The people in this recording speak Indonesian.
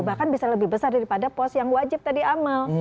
bahkan bisa lebih besar daripada pos yang wajib tadi amal